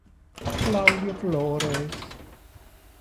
Claudio Flores